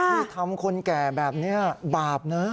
ที่ทำคนแก่แบบนี้บาปนะ